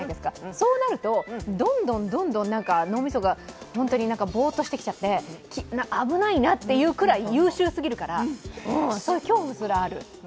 そうなると、どんどんどんどん脳みそが本当にぼーっとしてきちゃって危ないなっていうくらい優秀すぎるからそういう恐怖すらある。